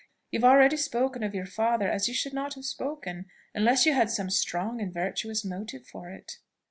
"You have already spoken of your father as you should not have spoken, unless you had some strong and virtuous motive for it."